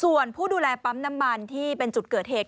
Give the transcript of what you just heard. ส่วนผู้ดูแลปั๊มน้ำมันที่เป็นจุดเกิดเหตุ